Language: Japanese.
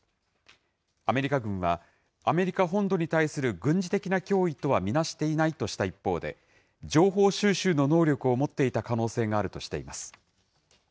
アメリカ軍はアメリカ本土に対する軍事的な脅威とは見なしていないとした一方で、情報収集の能力を持っていた可能性があるとしています。